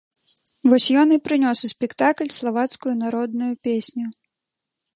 Вось ён і прынёс у спектакль славацкую народную песню.